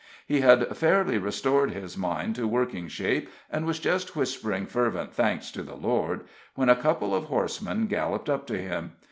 He had fairly restored his mind to working shape, and was just whispering fervent thanks to the Lord, when a couple of horsemen galloped up to him.